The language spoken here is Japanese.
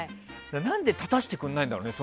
何で立たせてくれないんだろうね。